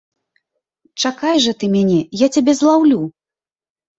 Чакай жа ты мяне, я цябе злаўлю!